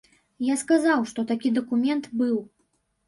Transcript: Я сказаў, што такі дакумент быў.